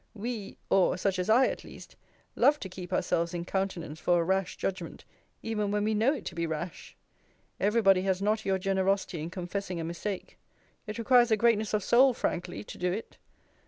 We, or such as I at least, love to keep ourselves in countenance for a rash judgment, even when we know it to be rash. Everybody has not your generosity in confessing a mistake. It requires a greatness of soul frankly to do it.